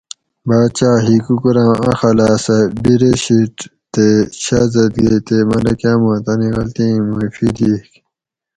باچہ ہِکوکوراں اخلاصہ بِرے شیٹ تے شازادگے تے ملکہ ما تانی غلطی ایں مُعیفی دِئیگ